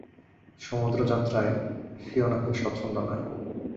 সমুদ্রযাত্রায় Fiona খুব স্বচ্ছন্দ না।